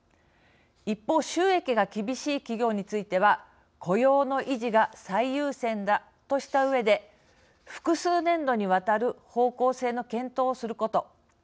一方、収益が厳しい企業については、雇用の維持が最優先だとしたうえで複数年度にわたる方向性の検討をすること。